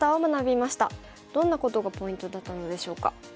どんなことがポイントだったのでしょうか。